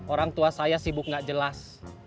orang tua saya sibuk gak jelas